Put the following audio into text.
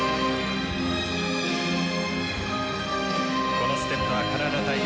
このステップはカナダ大会